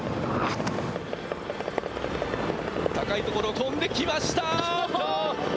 高い所を飛んできました。